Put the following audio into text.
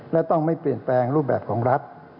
และต้องไม่เปลี่ยนแปลงรูปแบบของรัฐ